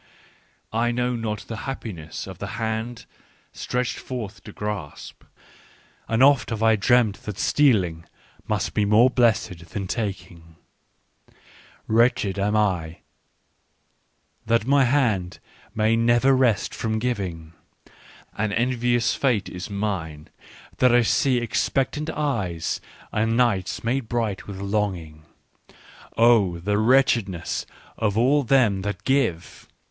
" I know not the happiness of the hand stretched forth to grasp ; and oft have I dreamt that steal ing must be more blessed than taking. " Wretched am I that my hand may never rest from giving : an envious fate is mine that I see ex pectant eyes and nights made bright with longing. Digitized by Google WHY I WRITE SUCH EXCELLENT BOOKS III " Oh, the wretchedness of all them that give